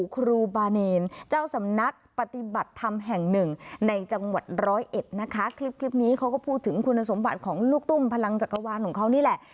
เขาก็พูดถึงคุณสมบัติของลูกตุ้มพลังจักรวาลของเขานี่แหละ